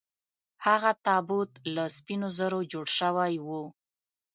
هغه تابوت له سپینو زرو جوړ شوی و.